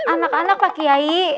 anak anak pak kiai